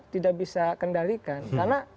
tidak bisa kendalikan karena